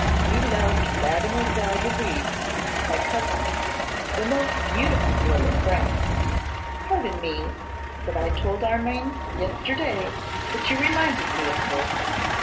He loved Mademoiselle de Guise, my cousin, the most beautiful girl in France. Pardon me, but I told Armine yesterday that you reminded me of her.